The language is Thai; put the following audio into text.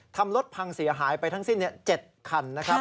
รถพังเสียหายไปทั้งสิ้น๗คันนะครับ